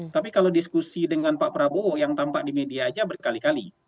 tapi kalau diskusi dengan pak prabowo yang tampak di media aja berkali kali